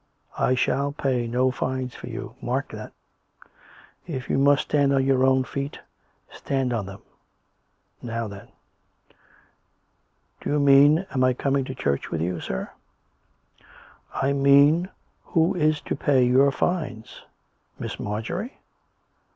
I shall pay no fines for you — mark that ! If you must stand on your own feet, stand on them. ... Now then !"" Do you mean, am I coming to church with you, sdr? "" I mean, who is to pay your fines? ... Miss Mar jorie.''